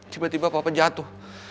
tiba tiba papa jatuh